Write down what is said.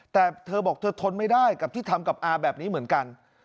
แต่เธอบอกเธอทนไม่ได้กับที่ทำกับอาแบบนี้เหมือนกัน